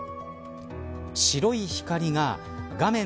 白い光が画面